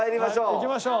行きましょう。